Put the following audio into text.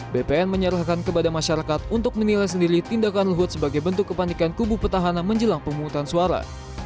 bpn menyerahkan kepada masyarakat untuk menilai sendiri tindakan luhut sebagai bentuk kepanikan kubu petahana menjelang pemungutan suara